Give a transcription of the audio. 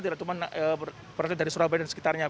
tidak cuma berasal dari surabaya dan sekitarnya